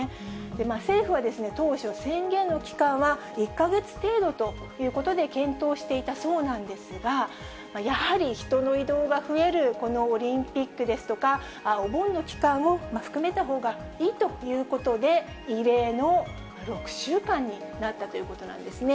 政府は当初、宣言の期間は１か月程度ということで検討していたそうなんですが、やはり人の移動が増える、このオリンピックですとか、お盆の期間を含めたほうがいいということで、異例の６週間になったということなんですね。